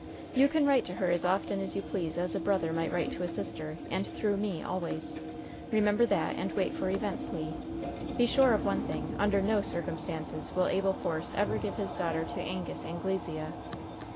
"You can write to her as often as you please as a brother might write to a sister, and through me, always. Remember that, and wait for events, Le. Be sure of one thing under no circumstances will Abel Force ever give his daughter to Angus Anglesea.